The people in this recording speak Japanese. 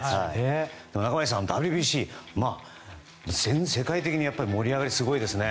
中林さん、ＷＢＣ、世界的に盛り上がりがすごいですね。